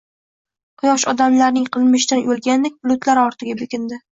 Quyosh odamlarning qilmishidan uyalgandek bulutlar ortiga berkindi